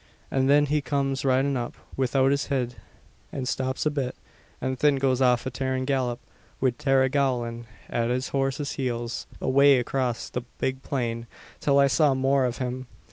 An' thin he comes ridin' up, widout his hid, an' stops a bit, an thin goes off at a tarin' gallop, wid Tara gowlin' at his horse's heels, away acrass the big plain, till I saw no more av him.